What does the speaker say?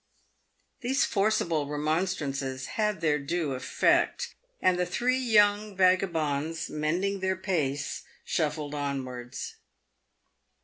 These forcible remonstrances had their due effect, and the three young vagabonds, mending their pace, shuffled onwards.